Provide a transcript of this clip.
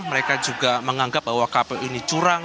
mereka juga menganggap bahwa kapel ini curang